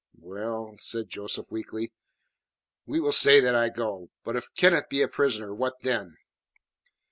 "Well," said Joseph weakly, "we will say that I go. But if Kenneth be a prisoner, what then?"